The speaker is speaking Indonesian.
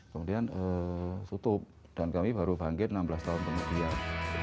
kemudian tutup dan kami baru bangkit enam belas tahun kemudian